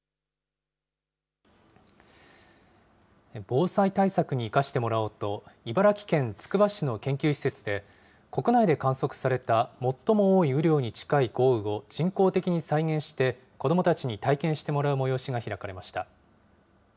防災対策に生かしてもらおうと、茨城県つくば市の研究施設で、国内で観測された最も多い雨量に近い豪雨を人工的に再現して、子どもたちに体験してもらう催しが開かれました。